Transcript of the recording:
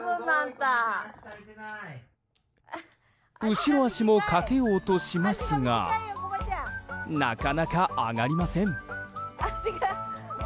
後ろ脚もかけようとしますがなかなか上がりません。